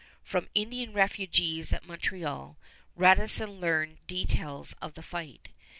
From Indian refugees at Montreal, Radisson learned details of the fight.